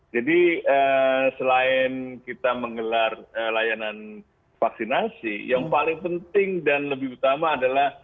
jadi selain kita mengelar layanan vaksinasi yang paling penting dan lebih utama adalah